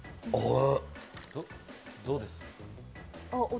どうです？